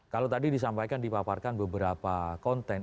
kalau tadi disampaikan dipaparkan beberapa konten